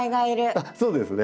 あっそうですね。